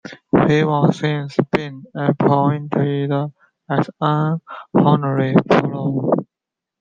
He has since been appointed as an Honorary Fellow.